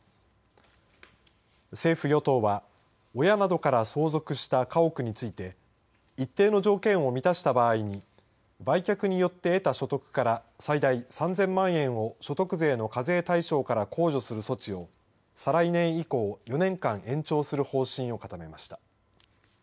政府、与党は親などから相続した家屋について一定の条件を満たした場合に売却によって得た所得から最大３０００万円を所得税の課税対象から控除する措置を再来年以降４年間延長する方針を固めました。